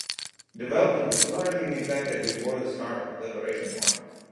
Development was largely neglected before the start of the liberation war.